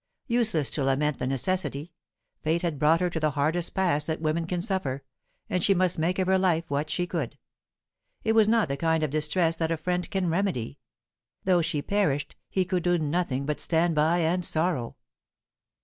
Useless to lament the necessity; fate had brought her to the hardest pass that woman can suffer, and she must make of her life what she could. It was not the kind of distress that a friend can remedy; though she perished, he could do nothing but stand by and sorrow.